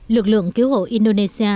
lực lượng cứu hộ indonesia